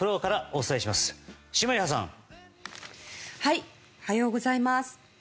おはようございます。